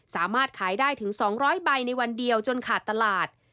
สามารถขายได้ถึง๒๐๐ใบในวันเดียวจนขาดตลาด